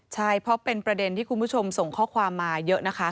ใช่เพราะเป็นประเด็นที่คุณผู้ชมส่งข้อความมาเยอะนะคะ